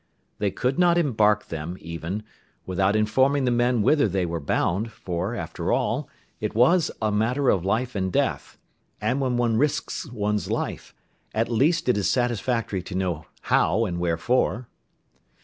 They could not embark them, even, without informing the men whither they were bound, for, after all, it was a matter of life and death, and when one risks one's life, at least it is satisfactory to know how and wherefore.